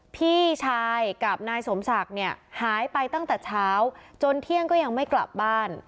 พี่ชายกับนายสมศักดิ์เนี่ยหายไปตั้งแต่เช้าจนเที่ยงก็ยังไม่กลับบ้าน